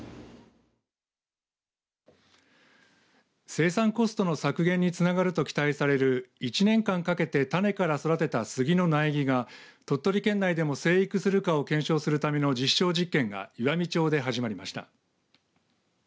生産コストの削減につながると期待される１年間かけて種から育てた杉の苗木が鳥取県内でも生育するかを検証するための実証実験が岩美町で始まりました。